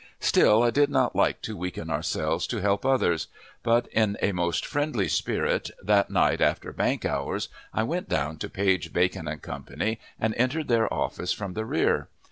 Still I did not like to weaken ourselves to help others; but in a most friendly spirit, that night after bank hours, I went down to Page, Bacon & Co., and entered their office from the rear.